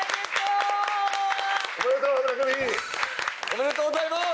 おめでとうございます！